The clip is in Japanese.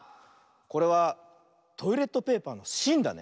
これはトイレットペーパーのしんだね。